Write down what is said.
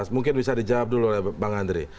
mungkin bisa dijawab dulu oleh bang andre